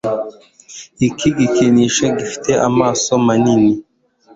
iki gikinisho gifite amaso manini